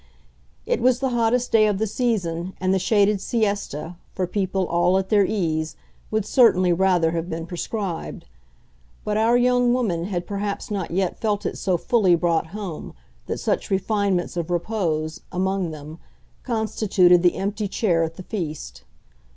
It was the hottest day of the season, and the shaded siesta, for people all at their ease, would certainly rather have been prescribed; but our young woman had perhaps not yet felt it so fully brought home that such refinements of repose, among them, constituted the empty chair at the feast.